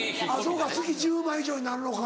そうか月１０万以上になるのか。